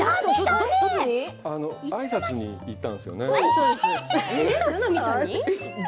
あいさつに行ったんですよね。